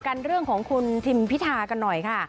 กันเรื่องของคุณทิมพิธากันหน่อยค่ะ